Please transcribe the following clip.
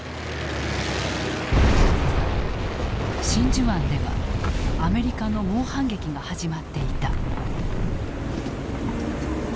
真珠湾ではアメリカの猛反撃が始まっていた。